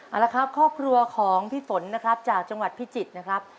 เอาละครับครอบครัวของพี่ฝนนะครับจากจังหวัดพิจิตรนะครับ